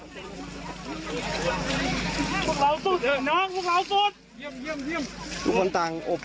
ดูสิคะแต่ละคนกอดคอกันหลั่นน้ำตา